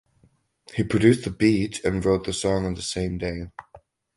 He produced the beat and wrote the song on the same day.